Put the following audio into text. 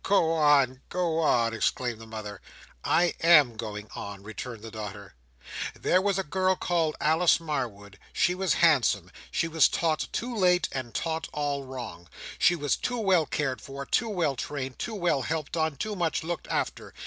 "Go on! go on!" exclaimed the mother. "I am going on," returned the daughter. "There was a girl called Alice Marwood. She was handsome. She was taught too late, and taught all wrong. She was too well cared for, too well trained, too well helped on, too much looked after.